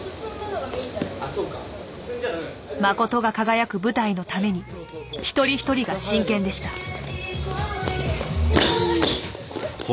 Ｍａｃｏｔｏが輝く舞台のために一人一人が真剣でした。